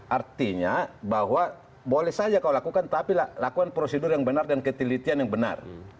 artinya bahwa boleh saja kau lakukan tapi lakukan prosedur yang benar dan ketelitian yang benar